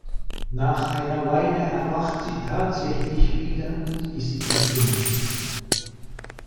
Nach einer Weile erwacht sie tatsächlich wieder und ist gesund.